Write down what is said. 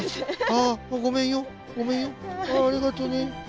ありがとね。